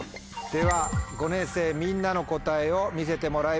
では５年生みんなの答えを見せてもらいましょう。